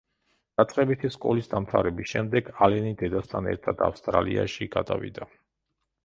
დაწყებითი სკოლის დამთავრების შემდეგ, ალენი დედასთან ერთად ავსტრალიაში გადავიდა.